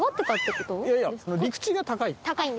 いやいや陸地が高い。